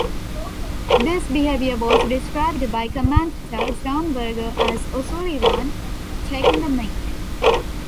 This behaviour was described by commentator John Virgo as O'Sullivan "taking the mick".